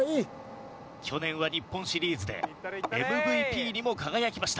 去年は日本シリーズでＭＶＰにも輝きました。